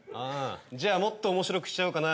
じゃあもっとおもしろくしちゃおうかな。